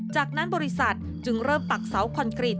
จากนั้นบริษัทจึงเริ่มปักเสาคอนกรีต